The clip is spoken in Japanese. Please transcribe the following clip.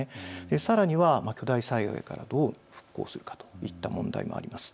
さらには巨大災害からどう復興するかといった問題もあります。